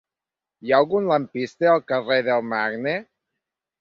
Hi ha algun lampista al carrer del Marne?